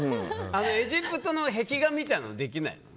エジプトの壁画みたいなのできないの？